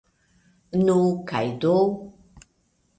Nu, kaj do!